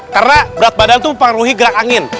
karena berat badan tuh mempengaruhi gerak angin